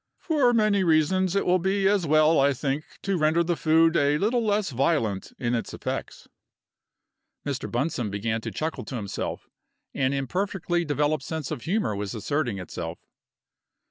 "For many reasons it will be as well, I think, to render the food a little less violent in its effects." Mr. Bunsome began to chuckle to himself. An imperfectly developed sense of humor was asserting itself.